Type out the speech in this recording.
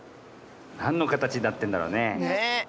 なんのかたちになってるんだろうねえ？